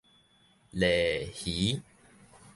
鱺魚